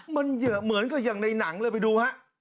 มันเหมือนกับอย่างในหนังเลยไปดูฮะ